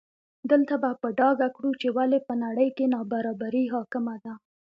دلته به په ډاګه کړو چې ولې په نړۍ کې نابرابري حاکمه ده.